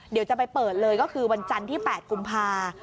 เดี๋ยวจะไปเปิดเลยก็คือวันจันทร์ที่๘กุมภา